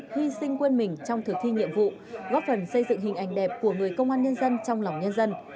hy sinh quên mình trong thực thi nhiệm vụ góp phần xây dựng hình ảnh đẹp của người công an nhân dân trong lòng nhân dân